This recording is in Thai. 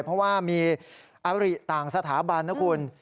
เพราะว่ามีอริต่างสถาบันนะคุณ